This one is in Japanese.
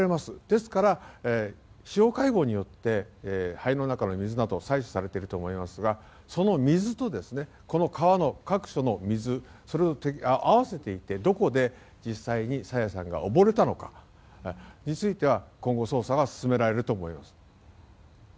ですから、司法解剖によって肺の中の水などが採取されていると思いますがその水と、この川の各所の水それを合わせていってどこで実際、朝芽さんが溺れたのかについては今後捜査が進められると思います。